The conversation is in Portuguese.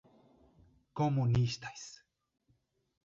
comunistas